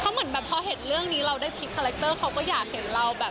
เหมือนแบบพอเห็นเรื่องนี้เราได้พลิกคาแรคเตอร์เขาก็อยากเห็นเราแบบ